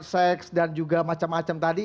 seks dan juga macam macam tadi